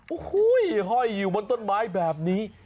โอ้โหห้อยอยู่บนต้นไม้แบบนี้